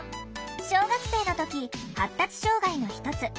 小学生の時発達障害の一つ